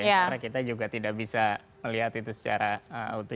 karena kita juga tidak bisa melihat itu secara utuh